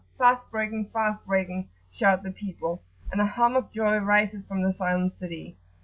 fast breaking! fast breaking! shout the people, and a hum of joy rises from the silent city.